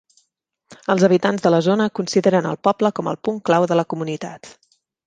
Els habitants de la zona consideren el poble com el punt clau de la comunitat.